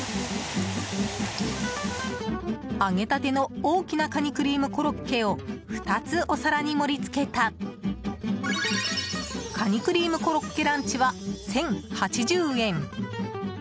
揚げたての大きなカニクリームコロッケを２つお皿に盛り付けたカニ・クリームコロッケランチは１０８０円。